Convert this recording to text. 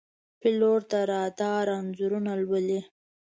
پیلوټ د رادار انځورونه لولي.